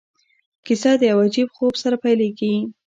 کیسه د یو عجیب خوب سره پیلیږي.